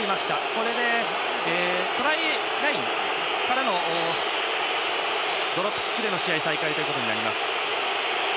これでトライラインからのドロップキックでの再開となります。